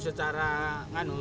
itu secara ngandung